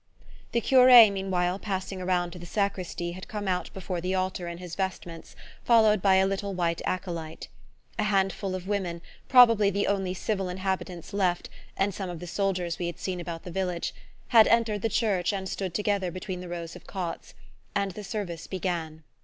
The cure, meanwhile, passing around to the sacristy, had come out before the altar in his vestments, followed by a little white acolyte. A handful of women, probably the only "civil" inhabitants left, and some of the soldiers we had seen about the village, had entered the church and stood together between the rows of cots; and the service began.